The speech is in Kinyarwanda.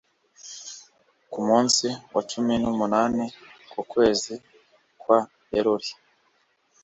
ku munsi wa cumi n'umunani w'ukwezi kwa eluli